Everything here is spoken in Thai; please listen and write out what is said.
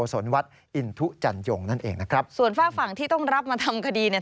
ส่วนฝากฝั่งที่ต้องรับมาทำคดี